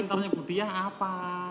komentarnya bu diyah apa